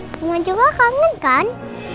mama juga kangen kan